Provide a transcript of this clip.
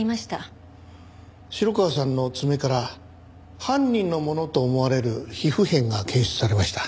城川さんの爪から犯人のものと思われる皮膚片が検出されました。